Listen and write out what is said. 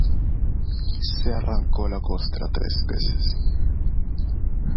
Se arrancó la costra tres veces.